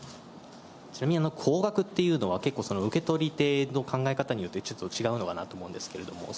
ちなみに高額というのは、結構、受け取りての考え方によってちょっと違うのかなと思うんです